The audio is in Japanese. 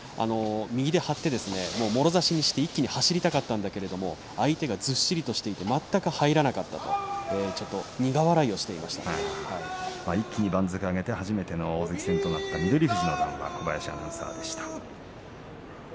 右で張ってもろ差しにして一気に走りたかったんだけれども相手がずっしりとしていて全く入らなかったと一気に番付を上げて初めての大関戦となった翠富士のコメントでした。